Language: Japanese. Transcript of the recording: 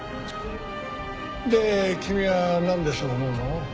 で君はなんでそう思うの？